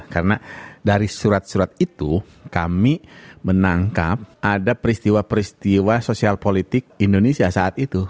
karena dari surat surat itu kami menangkap ada peristiwa peristiwa sosial politik indonesia saat itu